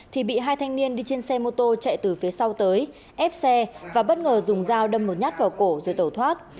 thì bị hai thanh niên đi trên xe mô tô chạy từ phía sau tới ép xe và bất ngờ dùng dao đâm một nhát vào cổ rồi tẩu thoát